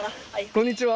こんにちは。